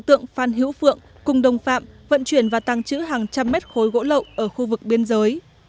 tượng phan hữu phượng cùng đồng phạm vận chuyển và tăng chữ hàng trăm mét khối gỗ lậu ở khu vực biên giới